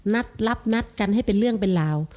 นัดรับนัดกันให้เป็นเรื่องเป็นราว